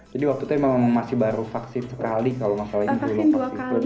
jadi waktu itu memang masih baru vaksin sekali kalau masalah ini dulu